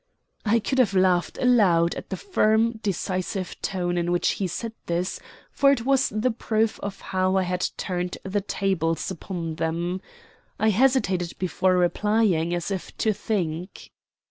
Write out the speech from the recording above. I could have laughed aloud at the firm, decisive tone in which he said this for it was the proof of how I had turned the tables upon them. I hesitated before replying, as if to think.